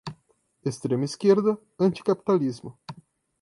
Extrema-esquerda, anticapitalismo